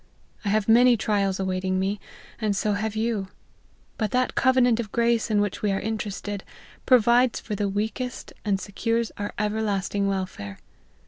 I have many trials awaiting me, and so have you ; but that covenant of grace in which we are interested, provides for the weakest, and secures our everlasting welfare.